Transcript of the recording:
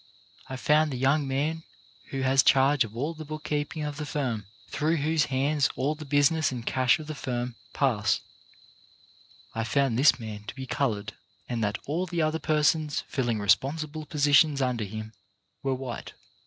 I found the young man who has charge of all the bookkeeping of the firm, through whose hands all the business and cash of the firm pass — I found this man to be coloured, and that all the other persons filling responsible positions under him were white.